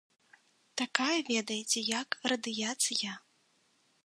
Такая, ведаеце, як радыяцыя.